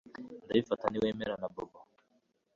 Ndabifata ntiwemera na Bobo